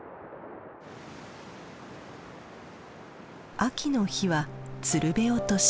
秋の日はつるべ落とし。